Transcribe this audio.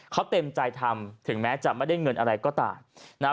เขาเต็มใจทำถึงแม้จะไม่ได้เงินอะไรก็ตามนะฮะ